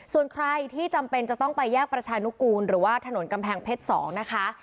ส่วนใครที่จำเป็นจะต้องไปแยกประชานุกูลหรือว่าถนนกำแพงเพชร๒นะคะ